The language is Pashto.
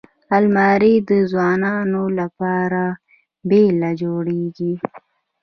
الماري د ځوانو لپاره بېله جوړیږي